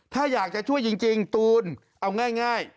ถ้าอยากจะช่วยจริงตูนเอาง่าย